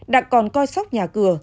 đặt còn coi sóc nhà cửa